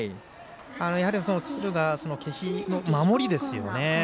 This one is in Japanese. やはり敦賀気比の守りですよね。